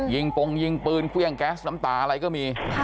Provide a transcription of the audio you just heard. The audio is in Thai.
ปงยิงปืนเครื่องแก๊สน้ำตาอะไรก็มี